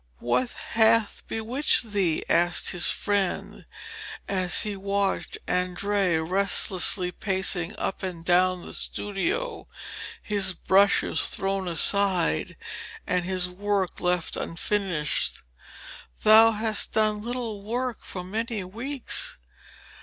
'What hath bewitched thee?' asked his friend as he watched Andrea restlessly pacing up and down the studio, his brushes thrown aside and his work left unfinished. 'Thou hast done little work for many weeks.'